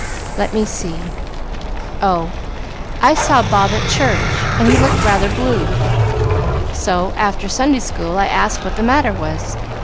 "Let me see. Oh, I saw Bob at church, and he looked rather blue; so, after Sunday School, I asked what the matter was.